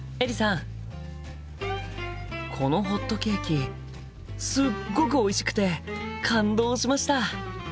このホットケーキすっごくおいしくて感動しました！